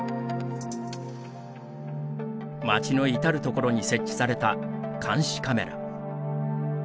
街の至る所に設置された監視カメラ。